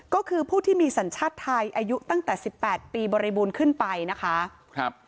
ก็คือผู้ที่มีสัญชาติไทยอายุตั้งแต่สิบแปดปีบริบูรณ์ขึ้นไปนะคะครับ